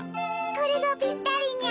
これがぴったりにゃ。